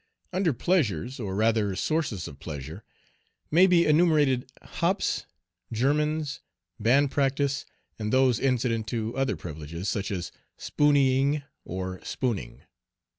Under pleasures, or rather sources of pleasure, may be enumerated hops, Germans, band practice, and those incident to other privileges, such as "spooneying," or "spooning."